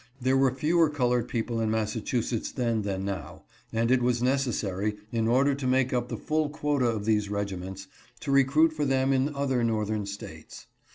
There were fewer colored people in Massachusetts then than now, and it was necessary, in order to make up the full quota of these regiments, to recruit for them in other Northern States.